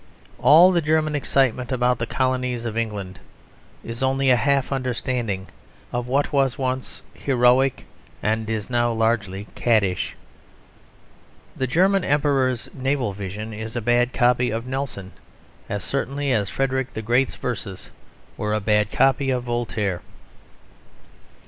All the German excitement about the colonies of England is only a half understanding of what was once heroic and is now largely caddish. The German Emperor's naval vision is a bad copy of Nelson, as certainly as Frederick the Great's verses were a bad copy of Voltaire.